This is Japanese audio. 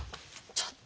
ちょっと。